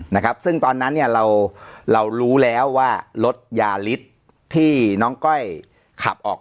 นะครับซึ่งตอนนั้นเนี่ยเราเรารู้แล้วว่ารถยาฤทธิ์ที่น้องก้อยขับออก